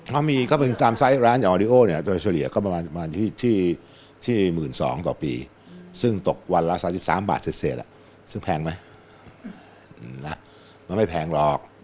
ถ้ามีก็เป็นตามไซส์ร้านออริโอเนี่ยโดยเฉลี่ยก็ประมาณที่๑๒๐๐ต่อปีซึ่งตกวันละ๓๓บาทเศษซึ่งแพงไหมมันไม่แพงหรอก